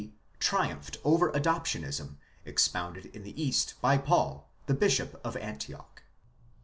D. triumphed over Adoptionism expounded in the East by Paul, the bishop of Antioch.